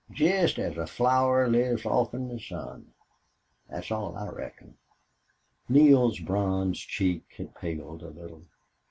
Jest as a flower lives offen the sun. Thet's all, I reckon." Neale's bronze cheek had paled a little.